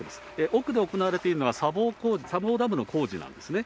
奥で行われているのは砂防ダムの工事なんですね。